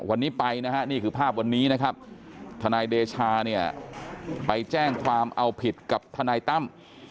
วันนี้ไปนะฮะนี่คือภาพวันนี้นะครับทนายเดชาเนี่ยไปแจ้งความเอาผิดกับทนายตั้ม